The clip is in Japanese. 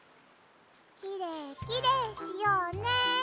きれいきれいしようね。